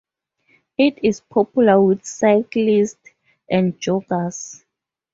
It is popular with cyclists and joggers.